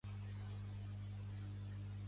Pertany al moviment independentista el Ronaldo?